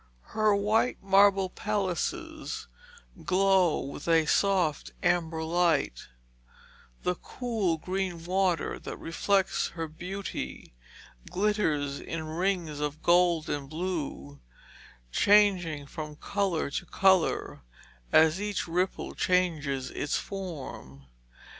Her white marble palaces glow with a soft amber light, the cool green water that reflects her beauty glitters in rings of gold and blue, changing from colour to colour as each ripple changes its form.